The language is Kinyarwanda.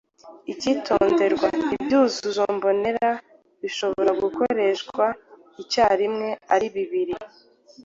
Ikitonderwa: Ibyuzuzo mbonera bishobora gukoreshwa icyarimwe ari bibiri.